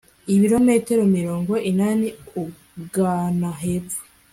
ibirometero mirongo inani ugana hepfo